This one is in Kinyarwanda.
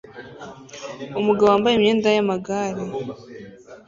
Umugabo wambaye imyenda yamagare